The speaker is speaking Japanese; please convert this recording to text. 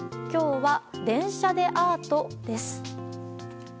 今日は電車でアートです。